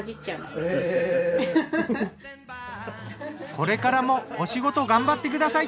これからもお仕事頑張ってください！